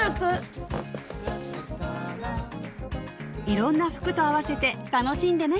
色んな服と合わせて楽しんでね！